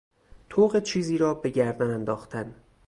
طوق چیزی را بگردن انداختن